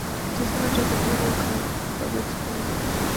It is part of Duval County Public Schools.